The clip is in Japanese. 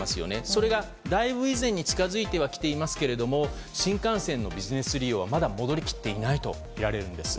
それがだいぶ以前に近づいては来ていますが新幹線のビジネス利用はまだ戻り切っていないとみられるんです。